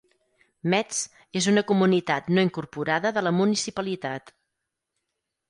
Metz és una comunitat no incorporada de la municipalitat.